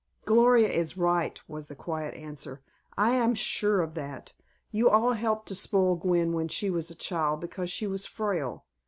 "Gloria is right," was the quiet answer. "I am sure of that. You all helped to spoil Gwen when she was a child because she was frail.